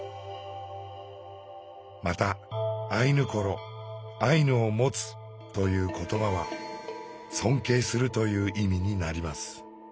また「アイヌコロ」「アイヌを持つ」という言葉は「尊敬する」という意味になります。